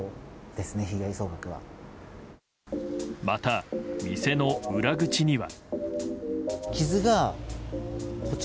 また、店の裏口には。